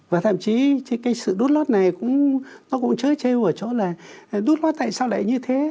và thậm chí cái sự đút lót này nó cũng chơi chêu ở chỗ là đút lót tại sao lại như thế